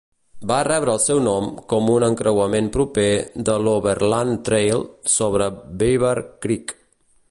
Va rebre el seu nom per un encreuament proper de l'Overland Trail sobre Beaver Creek.